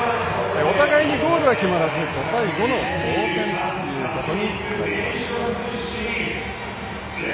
お互いにゴールが決まらず５対５の同点ということになりました。